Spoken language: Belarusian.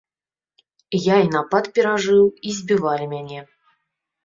Я і напад перажыў, і збівалі мяне.